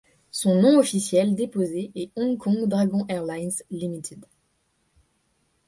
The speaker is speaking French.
Son nom officiel déposé est Hong Kong Dragon Airlines Limited.